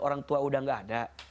orang tua udah gak ada